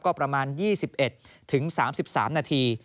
ก็ประมาณ๒๑๓๓นาที